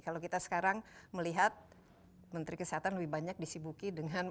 kalau kita sekarang melihat menteri kesehatan lebih banyak disibuki dengan